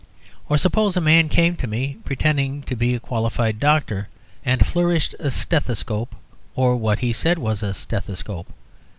Or suppose a man came to me pretending to be a qualified doctor, and flourished a stethoscope, or what he said was a stethoscope.